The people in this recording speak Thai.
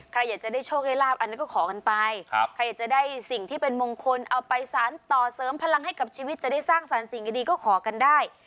ใครอยากจะได้โชคได้ลาบอันนั้นก็ขอกันไปใครอยากจะได้สิ่งที่เป็นมงคลเอาไปสารต่อเสริมพลังให้กับชีวิตจะได้สร้างสรรค์สิ่งดีก็ขอกันได้